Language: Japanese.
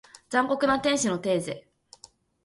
残酷な天使のテーゼ